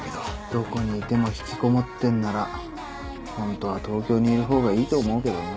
どこにいても引きこもってんならホントは東京にいる方がいいと思うけどな。